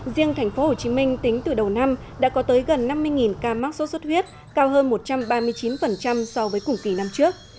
riêng tp hcm tính từ đầu năm đã có tới gần năm mươi ca mắc sốt xuất huyết cao hơn một trăm ba mươi chín so với cùng kỳ năm trước